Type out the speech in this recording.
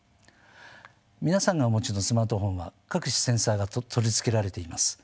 皆さんがお持ちのスマートフォンは各種センサーが取り付けられています。